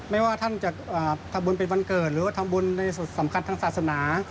ไม่ว่าท่านจะทำบุญเป็นวันเกิดหรือว่าทำบุญในส่วนสำคัญทางศาสนา